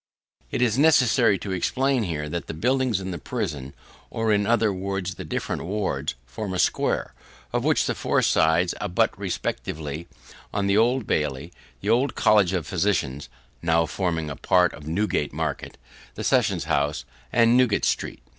It is necessary to explain here, that the buildings in the prison, or in other words the different wards form a square, of which the four sides abut respectively on the Old Bailey, the old College of Physicians (now forming a part of Newgate market), the Sessionshouse, and Newgate street.